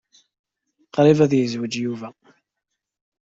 Qṛib ad yezweǧ Yuba.